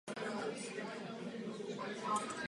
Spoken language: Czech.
Během svého života prošel napříč politickým spektrem.